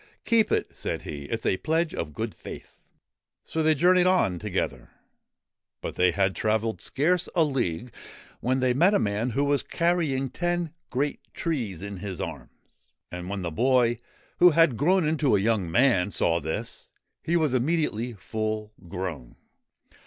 ' Keep it,' said he ;' it 's a pledge of good faith.' So they journeyed on together. But they had travelled scarce a league when they met a man who was carrying ten great trees in his arms. And when the boy, who had grown into a young man, saw this, he was immediately full grown.